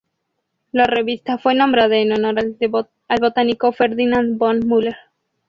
La revista fue nombrada en honor del botánico Ferdinand von Mueller.